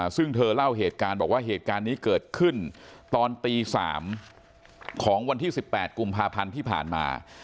ซึ่งเธอเล่าเหตุการณ์บอกว่าเหตุการณ์นี้เกิดขึ้นตอนตี๓ของวันที่๑๘กุมภาพันธ์ที่ผ่านมา